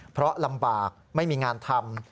เพราะลำบากไม่มีงานทำ